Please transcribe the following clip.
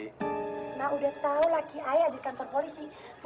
nah udah tau laki laki aja di kantor polisi